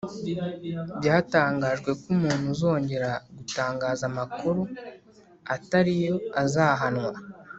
byatangajwe ko umuntu uzongera gutangaza amakuru atariyo azahanwa